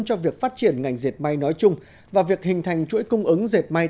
cho việc phát triển ngành diệt mạng nói chung và việc hình thành chuỗi cung ứng diệt mạng